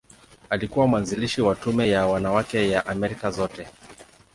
Alikuwa mwanzilishi wa Tume ya Wanawake ya Amerika Zote.